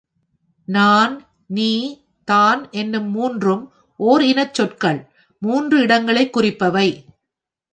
நான், நீ, தான் என்னும் மூன்றும் ஓர் இனச் சொற்கள் மூன்று இடங்களைக் குறிப்பவை.